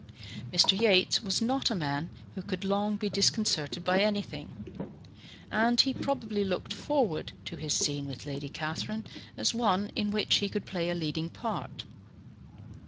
Mr. Yates was not a man who could long be disconcerted by anything; and he probably looked forward to his scene with Lady Catherine as one in which he could play a leading part.